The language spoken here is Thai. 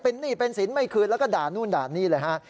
หนี้เป็นสินไม่คืนแล้วก็ด่านู่นด่านี่เลยฮะ